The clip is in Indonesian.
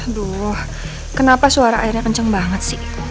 aduh kenapa suara airnya kenceng banget sih